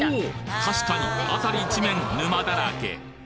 確かに辺り一面沼だらけ